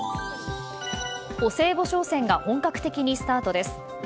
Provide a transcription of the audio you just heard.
お歳暮商戦が本格的にスタートです。